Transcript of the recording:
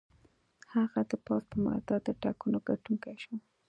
هغه د پوځ په ملاتړ د ټاکنو ګټونکی شو.